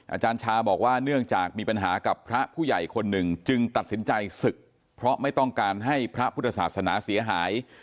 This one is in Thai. อาจารย์ชาบอกว่าเนื่องจากมีปัญหากับพระผู้ใหญ่คนหนึ่งจึงตัดสินใจศึกเพราะไม่ต้องการให้พระพุทธศาสนาเสียหาย